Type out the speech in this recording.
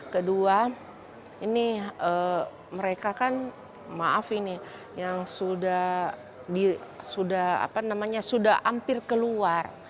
kedua ini mereka kan maaf ini yang sudah hampir keluar